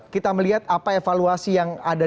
kita melihat apa evaluasi yang ada